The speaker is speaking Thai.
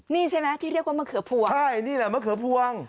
นี่ใช่ไหมที่เรียกว่ามะเขือพวงใช่นี่แหละมะเขือพวง